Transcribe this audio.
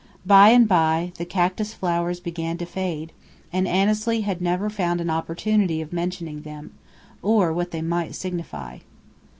By and by the cactus flowers began to fade, and Annesley had never found an opportunity of mentioning them, or what they might signify.